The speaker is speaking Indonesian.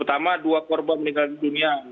pertama dua korban meninggal dunia